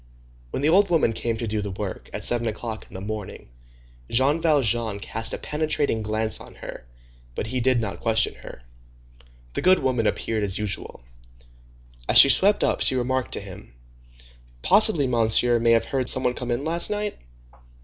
When the old woman came to do the work, at seven o'clock in the morning, Jean Valjean cast a penetrating glance on her, but he did not question her. The good woman appeared as usual. As she swept up she remarked to him:— "Possibly Monsieur may have heard some one come in last night?"